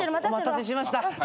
お待たせしました。